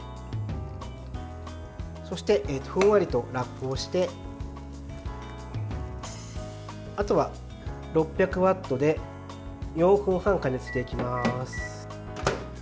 そして、ふんわりとラップをしてあとは６００ワットで４分半加熱していきます。